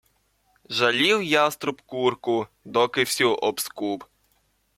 Жалів яструб курку — доки всю обскуб.